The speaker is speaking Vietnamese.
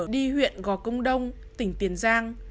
đi huyện gò công đông tỉnh tiền giang